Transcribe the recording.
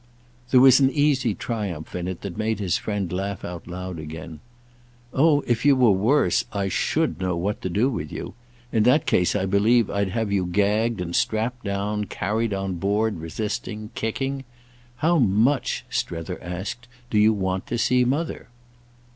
There was an easy triumph in it that made his friend laugh out again. "Oh if you were worse I should know what to do with you. In that case I believe I'd have you gagged and strapped down, carried on board resisting, kicking. How much," Strether asked, "do you want to see Mother?"